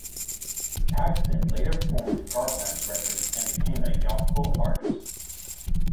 Paxton later formed Garpax Records and became a gospel artist.